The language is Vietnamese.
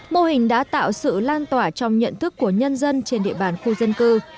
mô hình đã tạo sự lan tỏa trong nhận thức của nhân dân trên địa bàn khu dân cư